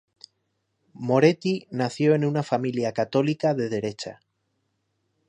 Moretti nació en una familia católica de derecha.